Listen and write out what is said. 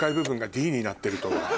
になってるとは。